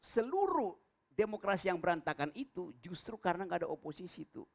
seluruh demokrasi yang berantakan itu justru karena gak ada oposisi tuh